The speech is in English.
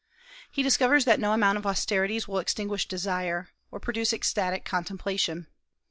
He discovers that no amount of austerities will extinguish desire, or produce ecstatic contemplation.